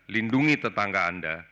lindungi tetangga anda